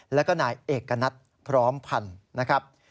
แล้วก็นายเอกณัฐพร้อมพันธ์นะครับ